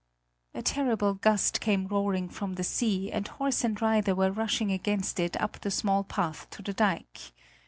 A terrible gust came roaring from the sea, and horse and rider were rushing against it up the small path to the dike.